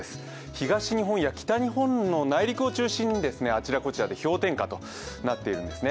東日本や北日本の内陸を中心にあちらこちらで氷点下となっているんですね。